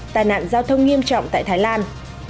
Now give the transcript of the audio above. tài nạn giao thông nghiêm trọng tại thái lan